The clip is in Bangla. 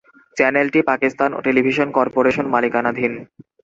চ্যানেলটি পাকিস্তান টেলিভিশন কর্পোরেশন মালিকানাধীন।